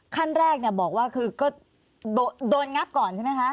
ขั้นแรกบอกว่าคือก็โดนงับก่อนใช่ไหมคะ